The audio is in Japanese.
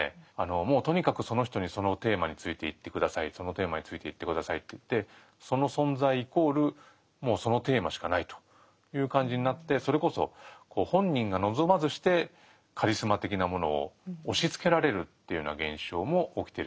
もうとにかくその人にそのテーマについて言って下さいそのテーマについて言って下さいっていってその存在イコールもうそのテーマしかないという感じになってそれこそ本人が望まずしてカリスマ的なものを押しつけられるっていうような現象も起きてる。